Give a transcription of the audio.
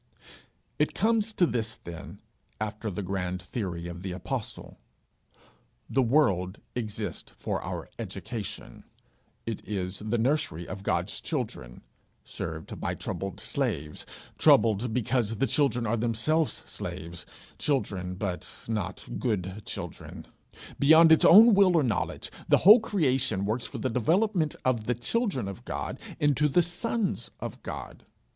It comes to this then, after the grand theory of the apostle: The world exists for our education; it is the nursery of God's children, served by troubled slaves, troubled because the children are themselves slaves children, but not good children. Beyond its own will or knowledge, the whole creation works for the development of the children of God into the sons of God.